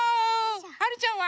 はるちゃんは？